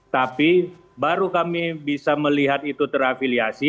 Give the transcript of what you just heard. tapi baru kami bisa melihat itu terafiliasi